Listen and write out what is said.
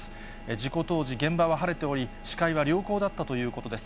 事故当時、現場は晴れており、視界は良好だったということです。